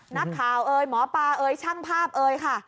นักข่าวเอ่ยหมอปลาเอ่ยช่างภาพเอ่ยค่ะ